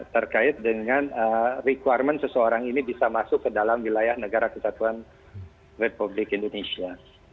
terkait dengan requirement seseorang ini bisa masuk ke dalam wilayah negara kesatuan republik indonesia